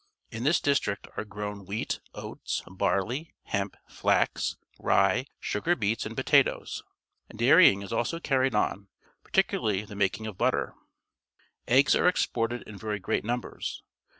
In tliis district are grown wheat, oats, barley, hemp, flax, rye, sugar beets, and potatoes. Dair^dngjs also carried on, partic ularly the making of butter. Eggs are ex ported in very great numbers.